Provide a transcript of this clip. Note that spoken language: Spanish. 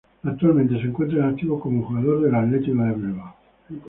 Actualmente se encuentra en activo como jugador de los Denver Broncos.